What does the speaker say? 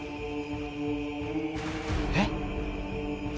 えっ？